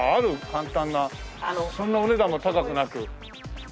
簡単なそんなお値段が高くなく。